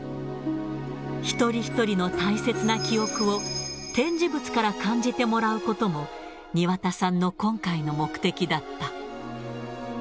一人一人の大切な記憶を展示物から感じてもらうことも、庭田さんの今回の目的だった。